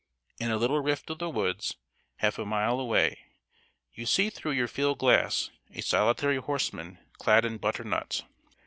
In a little rift of the woods, half a mile away, you see through your field glass a solitary horseman clad in butternut.